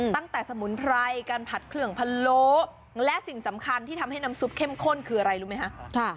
สมุนไพรการผัดเครื่องพะโล้และสิ่งสำคัญที่ทำให้น้ำซุปเข้มข้นคืออะไรรู้ไหมคะ